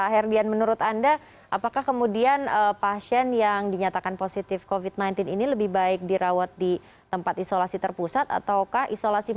herdian menurut anda apakah kemudian pasien yang dinyatakan positif covid sembilan belas ini lebih baik dirawat di tempat isolasi terpusat ataukah isolasi mandiri